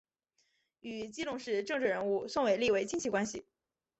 与基隆市政治人物宋玮莉为亲戚关系。